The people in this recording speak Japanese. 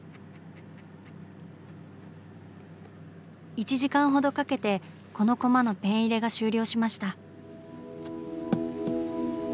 １時間ほどかけてこのコマのペン入れが終了しました。